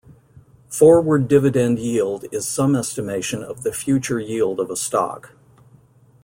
Forward dividend yield is some estimation of the future yield of a stock.